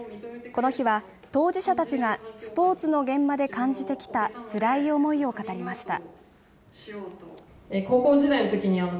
この日は、当事者たちがスポーツの現場で感じてきたつらい思いを語りました。